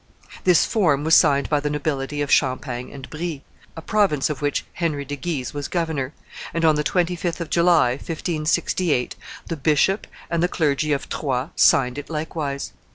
This form was signed by the nobility of Champagne and Brie, a province of which Henry de Guise was governor, and on the 25th of July, 1568, the bishop and clergy of Troyes signed it likewise.